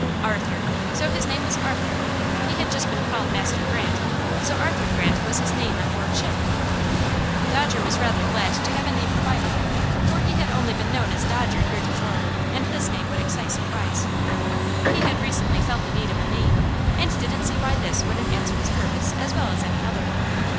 Arthur! So his name was Arthur! He had just been called Master Grant, so Arthur Grant was his name on board ship. Dodger was rather glad to have a name provided, for he had only been known as Dodger heretofore, and this name would excite surprise. He had recently felt the need of a name, and didn't see why this wouldn't answer his purpose as well as any other.